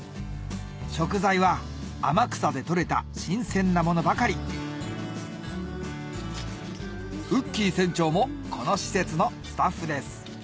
食材は天草でとれた新鮮なものばかりウッキー船長もこの施設のスタッフです